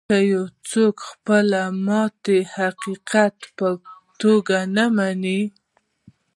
که يو څوک خپله ماتې د حقيقت په توګه و نه مني.